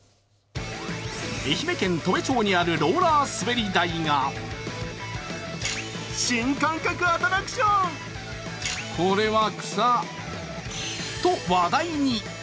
愛媛県砥部町にあるローラー滑り台がと話題に。